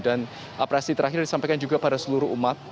dan apresiasi terakhir disampaikan juga pada seluruh umat